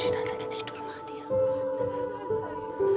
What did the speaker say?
cita cita tidur lagi